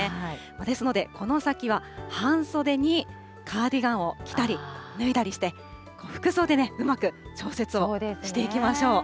ですのでこの先は半袖にカーディガンを着たり脱いだりして、服装でうまく調節をしていきましょう。